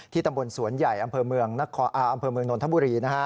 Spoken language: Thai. ตำบลสวนใหญ่อำเภอเมืองนนทบุรี